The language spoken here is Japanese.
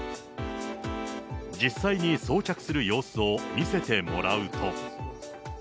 実際に装着する様子を見せてもらうと。